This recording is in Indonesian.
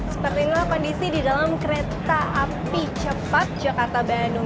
seperti inilah kondisi di dalam kereta api cepat jakarta bandung